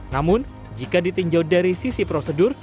namun jika ditinjau dari sisi prosedur